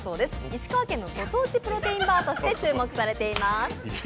石川県のご当地プロテインバーとして注目されています。